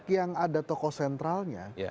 yang ada tokoh sentralnya